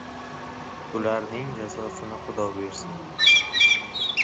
Bularning jazosini xudo bersin!